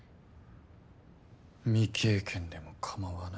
未経験でもかまわない？